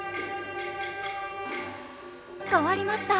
変わりました！